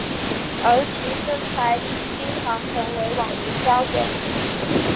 而其身材亦经常成为网民焦点。